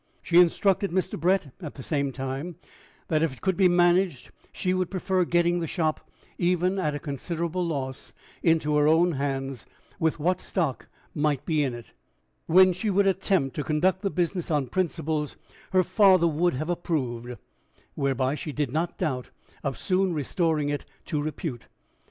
She instructed Mr. Brett, at the same time, that, if it could be managed, she would prefer getting the shop, even at considerable loss, into her own hands, with what stock might be in it, when she would attempt to conduct the business on principles her father would have approved, whereby she did not doubt of soon restoring it to repute.